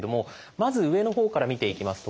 まず上のほうから見ていきますと